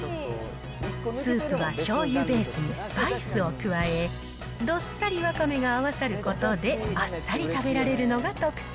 スープはしょうゆベースにスパイスを加え、どっさりわかめが合わさることで、あっさり食べられるのが特徴。